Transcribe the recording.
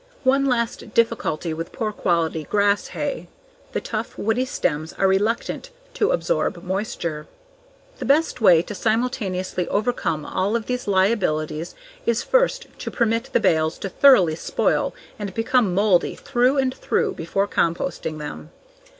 One last difficulty with poor quality grass hay: the tough, woody stems are reluctant to absorb moisture. The best way to simultaneously overcome all of these liabilities is first to permit the bales to thoroughly spoil and become moldy through and through before composting them.